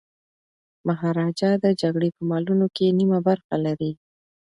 مهاراجا د جګړې په مالونو کي نیمه برخه لري.